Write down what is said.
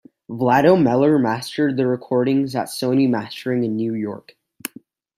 Vlado Meller mastered the recordings at Sony Mastering in New York.